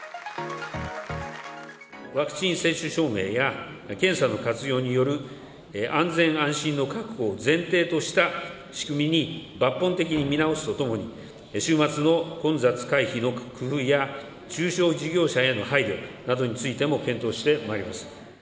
ワクチン接種証明や検査の活用による安全・安心の確保を前提とした仕組みに抜本的に見直すとともに、週末の混雑回避の工夫や、中小事業者への配慮などについても検討してまいります。